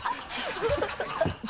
ハハハ